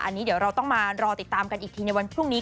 อันนี้เดี๋ยวเราต้องมารอติดตามกันอีกทีในวันพรุ่งนี้